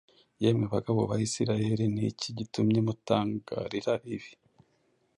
Yemwe bagabo ba Isirayeli, ni iki gitumye mutangarira ibi?